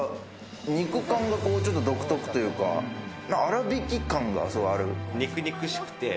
肉感がちょっと独特というか、粗挽き感がある。